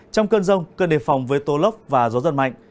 trong cơn rông cần đề phòng với tố lốc và gió dần mạnh